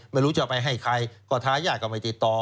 ไม่รู้จะไปให้ใครก็ทายาทก็ไม่ติดต่อ